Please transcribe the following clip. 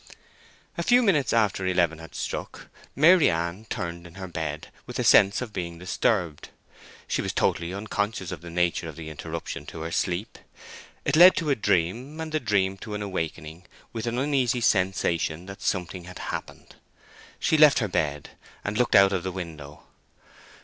A few minutes after eleven had struck, Maryann turned in her bed with a sense of being disturbed. She was totally unconscious of the nature of the interruption to her sleep. It led to a dream, and the dream to an awakening, with an uneasy sensation that something had happened. She left her bed and looked out of the window.